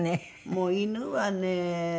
もう犬はね。